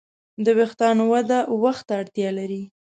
د وېښتیانو وده وخت ته اړتیا لري.